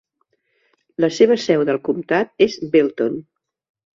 La seva seu del comtat és Belton.